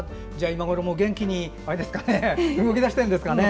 今ごろ、元気に動き出してるんですかね。